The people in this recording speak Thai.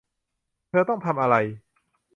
เธอต้องทำอะไร